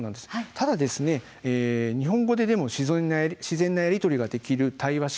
ただ日本語ででも自然なやり取りができる対話式